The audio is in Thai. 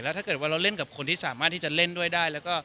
แล้วถ้าเกิดเราเล่นกับคนที่สามารถที่จะเล่นด้วยได้